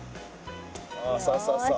おそうそうそう。